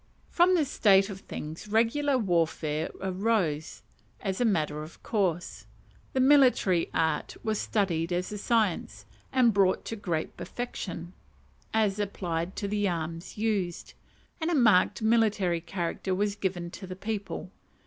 From this state of things regular warfare arose, as a matter of course; the military art was studied as a science, and brought to great perfection, as applied to the arms used; and a marked military character was given to the people.